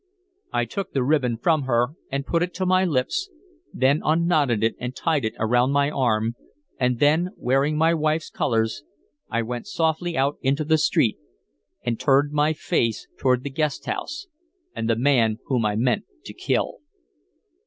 I took the ribbon from her and put it to my lips, then unknotted it and tied it around my arm; and then, wearing my wife's colors, I went softly out into the street, and turned my face toward the guest house and the man whom I meant to kill.